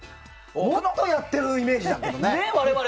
もっとやってるイメージだけどね。